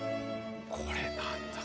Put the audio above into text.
これ何だ？